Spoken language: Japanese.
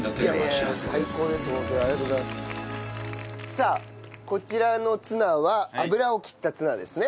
さあこちらのツナは油を切ったツナですね。